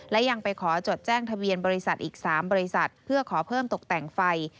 และยังไปขอจดแจ้งทะเบียนบริษัทอีก๓บริษัทเพื่อขอเพิ่มตกแต่งไฟ